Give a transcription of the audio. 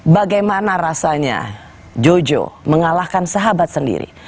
bagaimana rasanya jojo mengalahkan sahabat sendiri